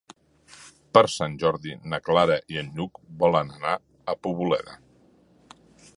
Per Sant Jordi na Clara i en Lluc volen anar a Poboleda.